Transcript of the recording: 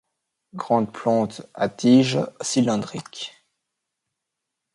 Grande plante à tige cylindrique.